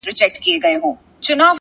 o هغه به چيري وي؛